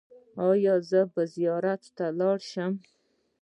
ایا زه به زیارت ته لاړ شم؟